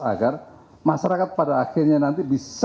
agar masyarakat pada akhirnya nanti bisa